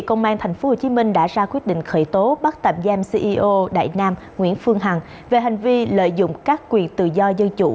công an tp hcm đã ra quyết định khởi tố bắt tạm giam ceo đại nam nguyễn phương hằng về hành vi lợi dụng các quyền tự do dân chủ